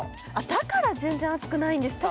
だから全然熱くないんですか。